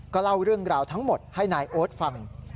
เล่าเรื่องราวทั้งหมดให้นายโอ๊ตฟัง